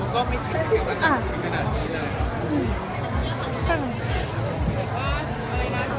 ถ้าเกิดจะพูดแบบนี้ก็ได้